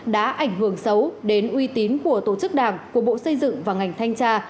đã ảnh hưởng xấu đến uy tín của tổ chức đảng của bộ xây dựng và ngành thanh tra